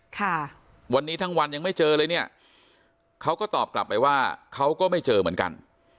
ค่ะวันนี้ทั้งวันยังไม่เจอเลยเนี่ยเขาก็ตอบกลับไปว่าเขาก็ไม่เจอเหมือนกัน